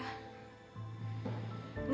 tante aku mau pergi